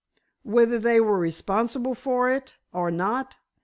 "Whether they were responsible for it or not?"